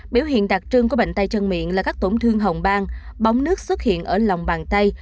biểu hiện đặc trưng của bệnh tay chân miệng là các tổn thương hồng bang bóng nước xuất hiện ở lòng bàn tay